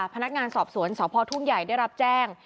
พนักงานสอบสวนสพทุ่งใหญ่ได้รับแจ้ง